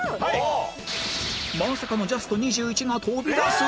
まさかのジャスト２１が飛び出す？